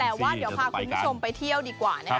แต่ว่าเดี๋ยวพาคุณผู้ชมไปเที่ยวดีกว่านะคะ